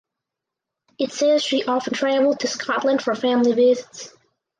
It says she often traveled to Scotland for family visits.